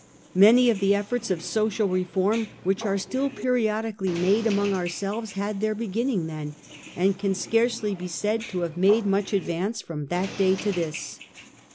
Many of the efforts of social reform which are still periodi cally made among ourselves had their beginning then, and can scarcely be said to have made much advance from that day to this.